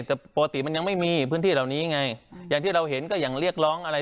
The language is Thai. แต่ปกติมันยังไม่มีพื้นที่เหล่านี้ไงอย่างที่เราเห็นก็อย่างเรียกร้องอะไร